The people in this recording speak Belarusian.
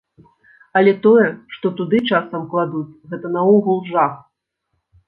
Але тое, што туды часам кладуць, гэта наогул жах.